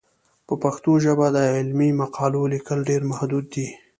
په پښتو ژبه د علمي مقالو لیکل ډېر محدود دي.